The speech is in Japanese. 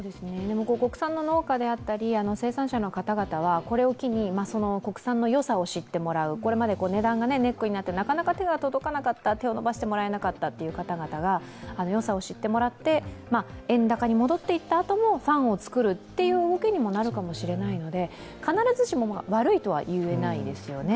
国産の農家であったり生産者の方々は、これを機に、国産のよさを知ってもらう、これまで値段がネックになってなかなか手が届かなかった、手を伸ばしてもらえなかった方々がよさを知ってもらって円高に戻っていったあともファンをつくるという動きにもなるかもしれないので必ずしも悪いとは言えないですよね。